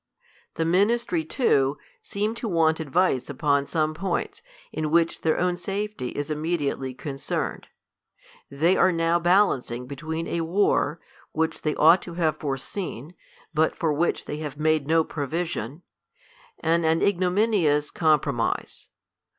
The ministry, too, seem to .want advice upon some points, in which their own safety is immediately con cerned. They are now balancing between a war, which they ought to have foreseen, but for which they have made no provision, and an ignominious com promise.